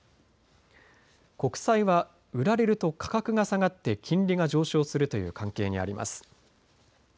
国債は売られると価格が下がって金利が上昇するという関係にあります。